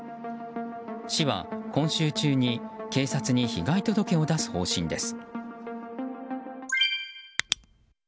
市は、今週中に警察に被害届を出す方針です。